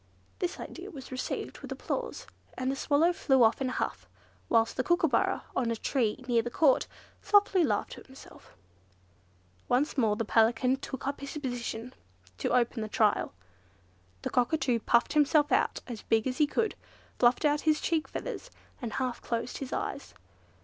This idea was received with applause, and the Swallow flew off in a huff; whilst the Kookooburra, on a tree near the Court, softly laughed to himself. Once more the Pelican took up his position to open the trial. The Cockatoo puffed himself out as big as he could, fluffed out his cheek feathers, and half closed his eyes.